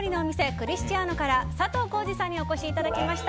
クリスチアノから佐藤幸二さんにお越しいただきました。